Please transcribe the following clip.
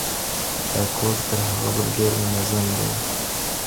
دا کوډ تر هغه بل ډير منظم دی.